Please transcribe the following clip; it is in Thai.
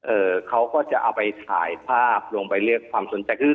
เขาก็จะเอาไปถ่ายภาพลงไปเรียกความสนใจคือ